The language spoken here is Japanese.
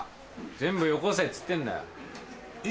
全部よこせっつってんだよ。え？